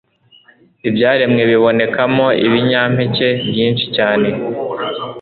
Ibyaremwe bibonekamo ibinyampeke byinshi cyane